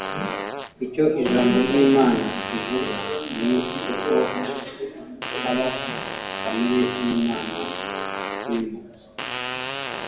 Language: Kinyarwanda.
Icyo ijambo ryimana rivuga ni uko ubaho kamere yimana ikurimo